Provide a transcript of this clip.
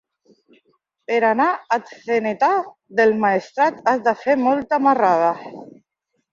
Per anar a Atzeneta del Maestrat has de fer molta marrada.